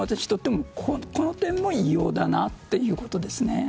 その点も異様だなということですね。